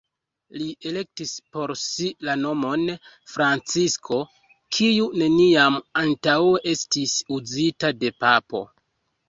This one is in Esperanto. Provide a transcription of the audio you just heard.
Li elektis por si la nomon Francisko, kiu neniam antaŭe estis uzita de papo.